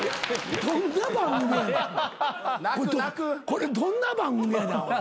これどんな番組やねん。